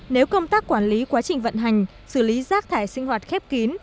nếu công tác quản lý quá trình vận hành xử lý rác thải sinh hoạt khép kín